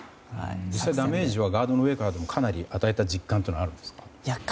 実際にダメージはガードの上からでも与えた実感はあるんですか？